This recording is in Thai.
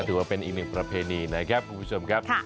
ถือว่าเป็นอีกหนึ่งประเพณีนะครับคุณผู้ชมครับ